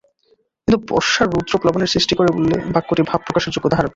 কিন্তু বর্ষার রৌদ্র প্লাবনের সৃষ্টি করে বললে বাক্যটি ভাব প্রকাশের যোগ্যতা হারাবে।